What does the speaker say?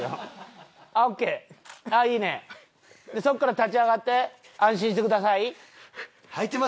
そこから立ち上がって「安心してください」。